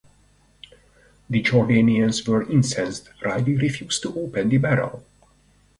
The Jordanians were incensed Riley refused to open the barrel.